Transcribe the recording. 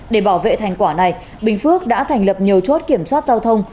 để bảo vệ thành quả này bình phước đã thành lập nhiều chốt kiểm soát giao thông